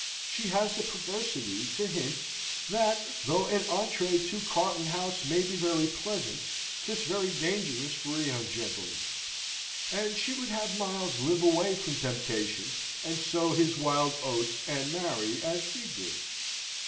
She has the perversity to hint that, though an entree to Carlton House may be very pleasant, 'tis very dangerous for a young gentleman: and she would have Miles live away from temptation, and sow his wild oats, and marry, as we did.